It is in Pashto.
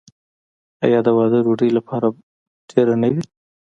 آیا د واده ډوډۍ باید ډیره نه وي؟